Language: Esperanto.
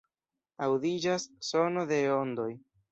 Aŭdiĝas sono de ondoj.